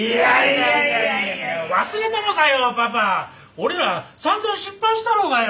俺らさんざん失敗したろうがよ。